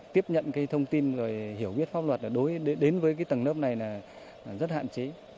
tiếp nhận thông tin rồi hiểu biết pháp luật đến với tầng lớp này là rất hạn chế